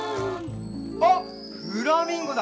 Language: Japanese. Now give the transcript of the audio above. あっフラミンゴだ！